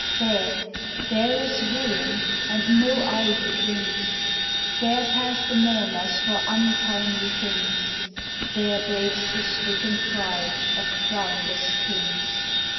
There, there is ruin, and no ivy clings ; There pass the mourners for untimely things. There breaks the stricken cry of crownless kings.